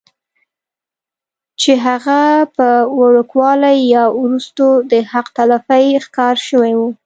چې هغه پۀ وړوکوالي يا وروستو د حق تلفۍ ښکار شوي وي